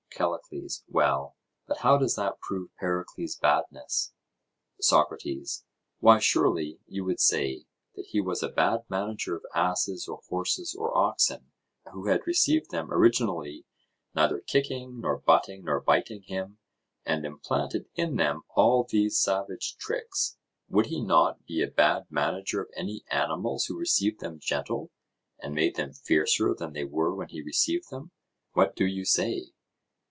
CALLICLES: Well, but how does that prove Pericles' badness? SOCRATES: Why, surely you would say that he was a bad manager of asses or horses or oxen, who had received them originally neither kicking nor butting nor biting him, and implanted in them all these savage tricks? Would he not be a bad manager of any animals who received them gentle, and made them fiercer than they were when he received them? What do you say?